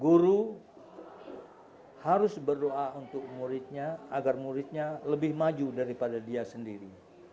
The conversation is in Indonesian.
guru harus berdoa untuk muridnya agar muridnya lebih maju daripada dia sendiri